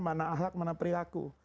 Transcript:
mana ahlak mana perilaku